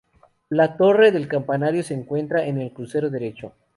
La torre del campanario se encuentran en el crucero derecho.